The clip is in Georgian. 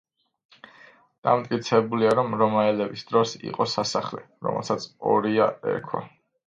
დამტკიცებულია, რომ რომაელების დროს იყო სასახლე, რომელსაც „ორია“ ერქვა.